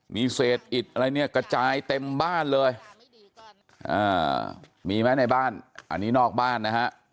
มีเศษอิดอะไรเนี่ยกระจายเต็มบ้านเลยมีไหมในบ้านอันนี้นอกบ้านนะฮะ